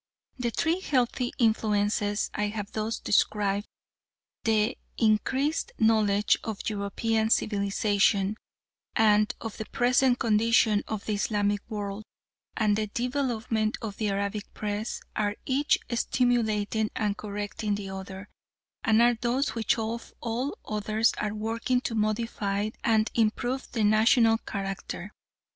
The three healthy influences I have thus described the the increased knowledge of European civilisation, and of the present condition of the Islamic world, and the development of the Arabic Press are each stimulating and correcting the other, and are those which of all others are working to modify and improve the national character.